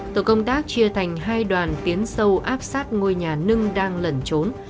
tổ công tác chia thành hai đoàn tiến sâu áp sát ngôi nhà nưng đang lẩn trốn